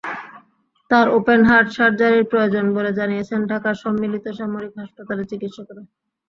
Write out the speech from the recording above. তার open heart সার্জারির প্রয়োজন বলে জানিয়েছেন ঢাকার সম্মিলিত সামরিক হাসপাতালের চিকিৎসকেরা।